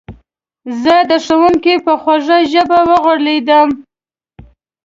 زه د ښوونکي په خوږه ژبه وغولېدم